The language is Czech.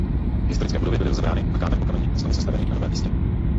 Historické budovy byly rozebrány a kámen po kameni znovu sestaveny na novém místě.